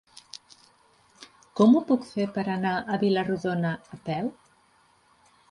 Com ho puc fer per anar a Vila-rodona a peu?